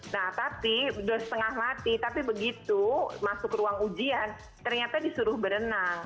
nah tapi sudah setengah mati tapi begitu masuk ruang ujian ternyata disuruh berenang